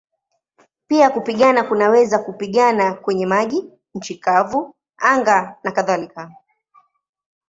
Pia kupigana kunaweza kupigana kwenye maji, nchi kavu, anga nakadhalika.